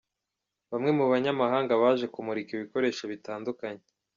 Bamwe mu banyamahanga baje kumurika ibikoresho bitandukanye.